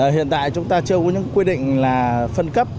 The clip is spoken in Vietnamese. hiện tại chúng ta chưa có những quy định là phân cấp